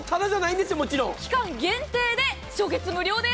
期間限定で初月無料です。